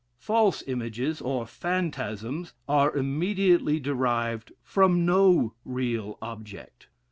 False images, or phantasms, are immediately derived from no real object.